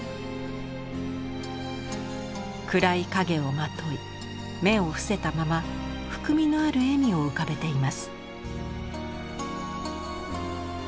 暗い影をまとい目を伏せたまま含みのある笑みを浮かべています。